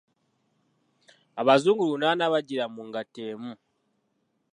Abazungu lunaana bajjira mu ngatto emu.